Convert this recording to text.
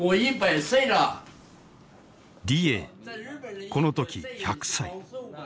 李鋭この時１００歳。